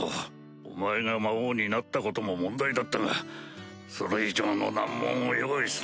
お前が魔王になったことも問題だったがそれ以上の難問を用意するとは。